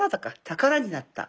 宝になった。